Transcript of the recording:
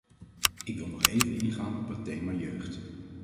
Ik wil nog even ingaan op het thema jeugd.